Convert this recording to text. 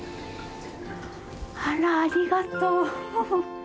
あらありがとう。